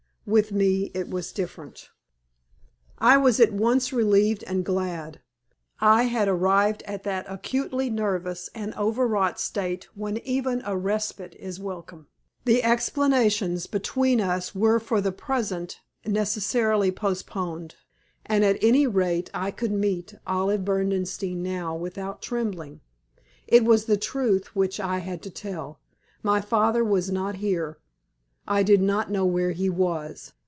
With me it was different. I was at once relieved and glad. I had arrived at that acutely nervous and overwrought state when even a respite is welcome. The explanations between us were for the present necessarily postponed, and, at any rate, I could meet Olive Berdenstein now without trembling. It was the truth which I had to tell. My father was not here. I did not know where he was.